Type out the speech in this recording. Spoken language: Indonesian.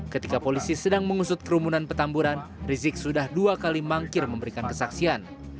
ketika polisi sedang mengusut kerumunan petamburan rizik sudah dua kali mangkir memberikan kesaksian